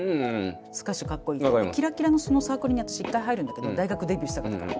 キラキラのそのサークルに私一回入るんだけど大学デビューしたかったから。